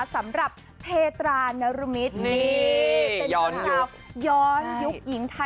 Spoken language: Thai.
สำหรับเผตรานารมิต